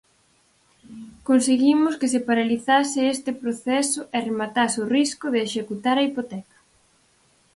Conseguimos que se paralizase este proceso e rematase o risco de executar a hipoteca.